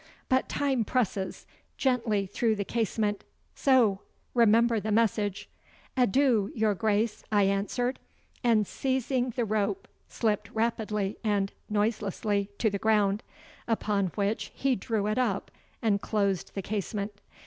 But time presses. Gently through the casement! So! Remember the message.' 'Adieu, your Grace!' I answered, and seizing the rope slipped rapidly and noiselessly to the ground, upon which he drew it up and closed the casement.